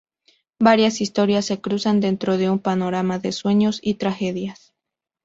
Varias historias se cruzan dentro de un panorama de sueños y tragedias.